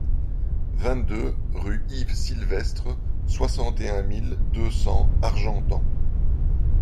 vingt-deux rue Yves Silvestre, soixante et un mille deux cents Argentan